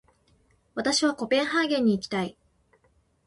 私はコペンハーゲンに行きたい。